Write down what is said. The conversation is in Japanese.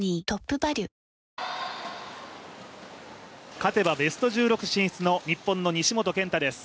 勝てばベスト１６進出の日本の西本拳太です。